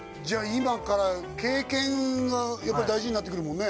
今から経験がやっぱり大事になってくるもんね？